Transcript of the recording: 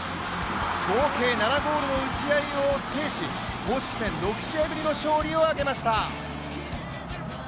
合計７ゴールの打ち合いを制し公式戦６試合ぶりの勝利を挙げました。